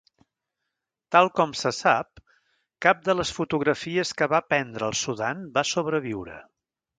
Tal com se sap, cap de les fotografies que va prendre al Sudan va sobreviure.